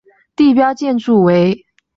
地标建筑为东皋公园中的文峰塔。